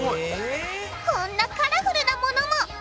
こんなカラフルなものも！